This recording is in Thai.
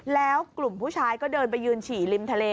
แล้วกลุ่มผู้ชายก็เดินไปยืนฉี่ริมทะเล